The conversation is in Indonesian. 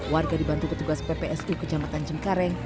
warga dibantu petugas ppsu kejamatan jengkareng